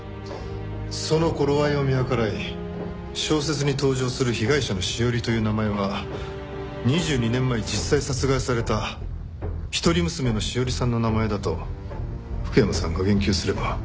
その頃合いを見計らい小説に登場する被害者のしおりという名前は２２年前実際に殺害された一人娘のしおりさんの名前だと福山さんが言及すれば。